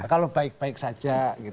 kalau baik baik saja